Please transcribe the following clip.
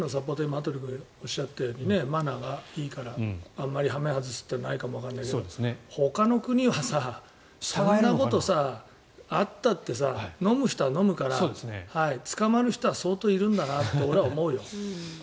今、羽鳥君がおっしゃったようにマナーがいいからあまり羽目を外すというのがないかもわからないけどほかの国はそんなことあったって飲む人は飲むから捕まる人は相当いるんだなと俺は思うよ。